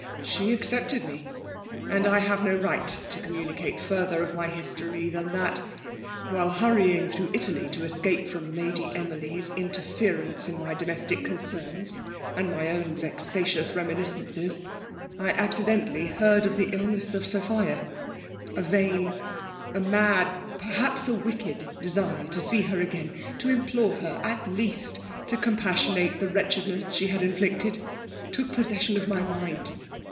She accepted mc£ ftnd I have no right to communicate further of my history than that, while huiTying through Italy to escape from Lady Emily's interference in my domestic concerns, and my own vexatious reminiscences, I accidentally heard of the ill ness of Sophia. A vain, a mad, perhaps a wicked desire, to see her again, to implore her at least to compassionate the wretchedness she had inflicted, took possession of my mind.